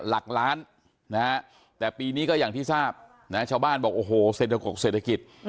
หลักล้านนะฮะแต่ปีนี้ก็อย่างที่ทราบนะชาวบ้านบอกโอ้โหเศรษฐกเศรษฐกิจ